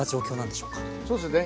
そうですね。